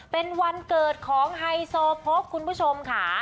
เป็นวันเกิดของไฮโซโพกคุณผู้ชมค่ะ